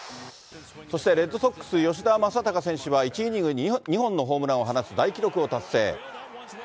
そしてレッドソックス、吉田正尚選手は１イニング２本のホームランを放つ大記録を達成。